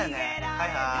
はいはい。